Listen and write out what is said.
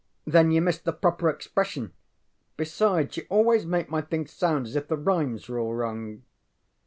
ŌĆØ ŌĆ£Then you miss the proper expression. Besides, you always make my things sound as if the rhymes were all wrong.